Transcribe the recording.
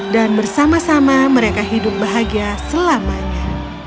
dan bersama sama mereka hidup bahagia selamanya